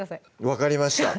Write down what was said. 分かりました